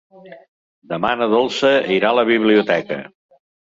Demà na Dolça irà a la biblioteca.